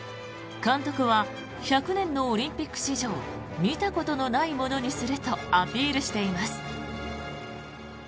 監督は１００年のオリンピック史上見たことのないものにするとアピールしています。